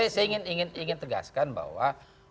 saya ingin tegaskan bahwa